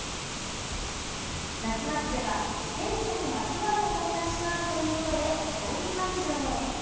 那須町では、自転車にまつわるおもてなしがあるということで競技会場へ。